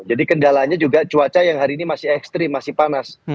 jadi kendalanya juga cuaca yang hari ini masih ekstrim masih panas